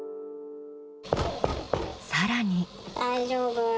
更に。